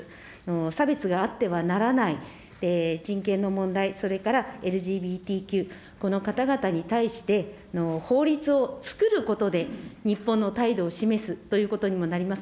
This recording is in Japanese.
差別があってはならない、人権の問題、それからＬＧＢＴＱ、法律を作ることで、日本の態度を示すということにもなります。